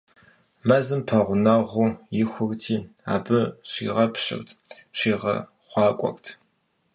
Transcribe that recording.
Мэзым пэгъунэгъуу ихурти, абы щыхигъэпщырт, щигъэхъуакӏуэрт.